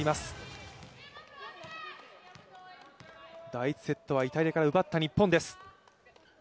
第１セットはイタリアから奪った日本です。